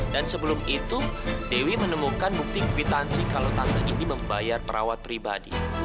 dan sebelum itu dewi menemukan bukti kuitansi kalau tante ini membayar perawat pribadi